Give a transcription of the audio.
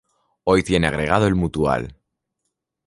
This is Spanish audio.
Hoy tiene agregado el Mutual.